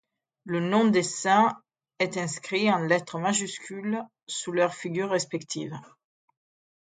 Le nom des saints est inscrit en lettres majuscules sous leurs figures respectives.